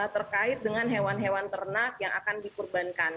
terkait dengan hewan hewan ternak yang akan dikurbankan